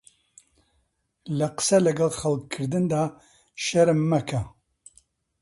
لە قسە لەگەڵ خەڵک کردندا شەرم مەکە